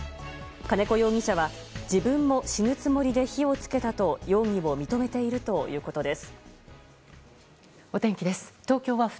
金子容疑者は自分も死ぬつもりで火をつけたと容疑を認めているということです。